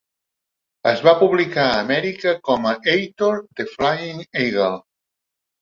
Es va publicar a Amèrica com a "Ator, The Fighting Eagle".